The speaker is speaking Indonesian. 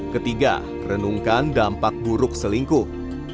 ketiga renungkan dampak buruk selingkuh